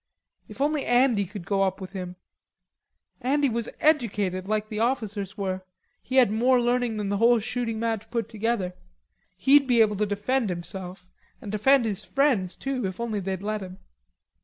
If only Andy could go up with him, Andy was educated, like the officers were; he had more learning than the whole shooting match put together. He'd be able to defend himself, and defend his friends, too, if only they'd let him.